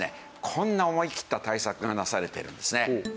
こんな思いきった対策がなされているんですね。